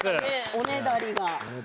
おねだりが。